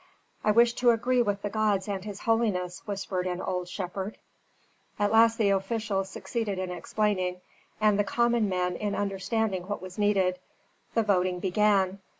"I wish to agree with the gods and his holiness," whispered an old shepherd. At last the officials succeeded in explaining, and the common men in understanding what was needed. The voting began.